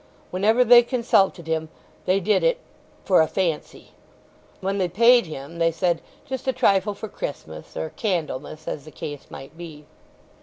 Whenever they consulted him they did it "for a fancy." When they paid him they said, "Just a trifle for Christmas," or "Candlemas," as the case might be.